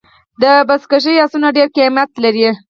د بزکشۍ آسونه ډېر قیمت لري.